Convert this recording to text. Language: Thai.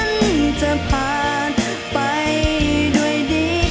มันจะผ่านไปด้วยดี